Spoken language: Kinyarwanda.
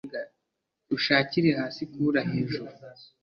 ushakire hasi kubura hejuru